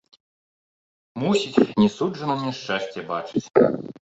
Мусіць, не суджана мне шчасце бачыць.